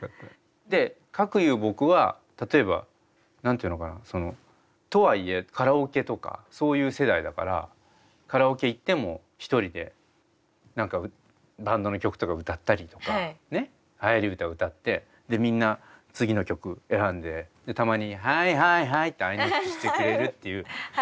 かくいう僕は例えば何て言うのかな。とはいえカラオケとかそういう世代だからカラオケ行っても一人で何かバンドの曲とか歌ったりとかねはやり歌歌ってでみんな次の曲選んでたまに「はい！はい！はい！」って合いの手してくれるっていう。